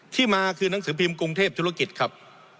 ที่มาคือหนังสือพิมพ์กรุงเทพธุรกิจครับ